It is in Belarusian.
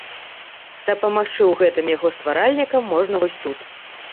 Дапамагчы ў гэтым яго стваральнікам можна вось тут.